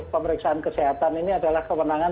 pemeriksaan kesehatan ini adalah kewenangan